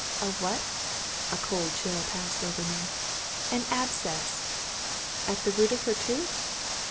"A what?" A cold chill passed over me. "An abscess." "At the root of her tooth?"